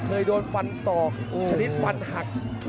เคยโดนฟันศอกชนิดฟันหัก